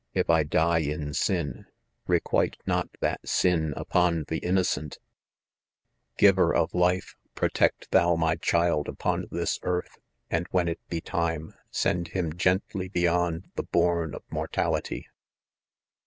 If I die %% sin, requite not that sin upon the innocent I 1 Giver of life, protect thou my; child upon this THE CONFESSIONS, 149 earthy and, when it be time, send him gently, beyond the bourne of mortality.